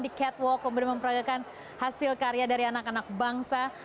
di catwalk memperolehkan hasil karya dari anak anak bangsa